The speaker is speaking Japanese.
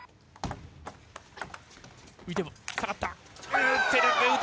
浮いてる、下がった。